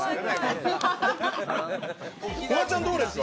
フワちゃん、どうですか？